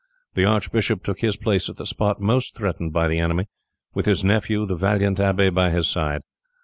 The archbishop took his place at the spot most threatened by the enemy, with his nephew, the valiant abbe, by his side.